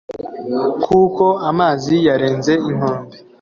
kuko amazi yarenze inkombe.